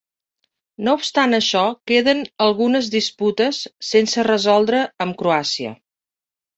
No obstant això, queden algunes disputes sense resoldre amb Croàcia.